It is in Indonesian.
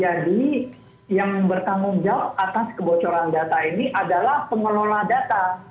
jadi yang bertanggung jawab atas kebocoran data ini adalah pengelola data